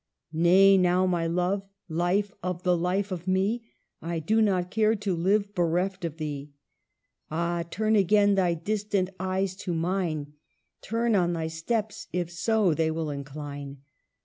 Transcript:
Nay, now, my love, life of the life of me, I do not care to live bereft of thee. Ah ! turn again thy distant eyes to mine ; Turn on thy steps, if so thy will incline.